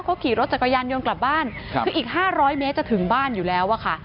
เขาขี่รถจักรยานยนต์กลับบ้านคืออีก๕๐๐เมตรจะถึงบ้านอยู่แล้วอะค่ะ